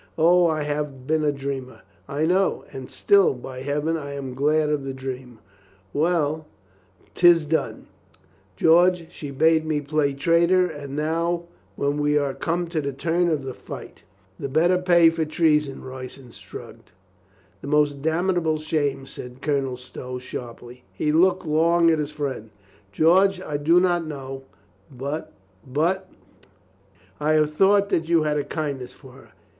"O, I have been a dreamer. I know ... and still, by Heaven, I am glad of the dream ... Well, 226 COLONEL GREATHEART 'tis done ... George, she bade me play traitor. And now, when we are come to the turn of the fight." "The better pay for treason," Royston shrugged. "The more damnable shame," said Colonel Stow sharply. He looked long at his friend. "George, I do not know, but — but I have thought that you had a kindness for her.